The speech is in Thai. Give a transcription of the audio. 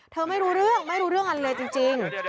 ไม่รู้เรื่องไม่รู้เรื่องอะไรเลยจริง